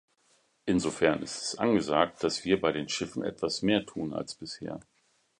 Insofern ist es angesagt, dass wir bei den Schiffen etwas mehr tun als bisher.